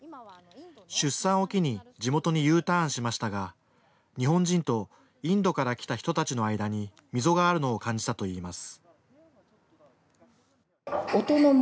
出産を機に地元にＵターンしましたが日本人とインドから来た人たちの間に溝があるのを感じたといいます。